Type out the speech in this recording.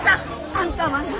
あんたはな。